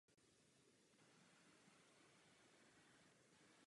Všichni tvrdí, že jsou na něj Belgičané hrdí.